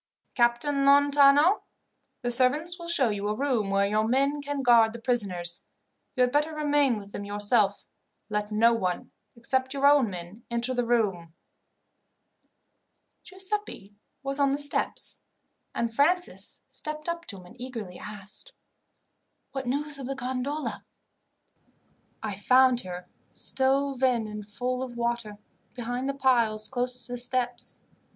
"Captain Lontano, the servants will show you a room where your men can guard the prisoners. You had better remain with them yourself. Let no one, except your own men, enter the room." Giuseppi was on the steps, and Francis stepped up to him and eagerly asked, "What news of the gondola?" "I found her, stove in and full of water, behind the piles close to the steps.